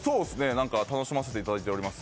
何か楽しませていただいております